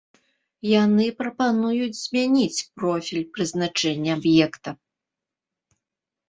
Яны прапануюць змяніць профіль прызначэння аб'екта.